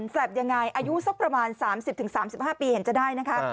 แปบยังไงอายุสักประมาณ๓๐๓๕ปีเห็นจะได้นะคะ